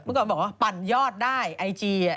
ก่อนบอกว่าปั่นยอดได้ไอจี